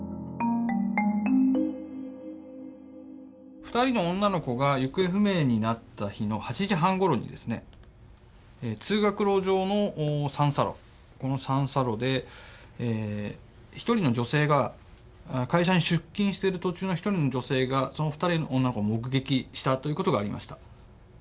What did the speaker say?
２人の女の子が行方不明になった日の８時半ごろにですね通学路上の三差路この三差路で一人の女性が会社に出勤している途中の一人の女性がその２人の女の子を目撃したということがありました。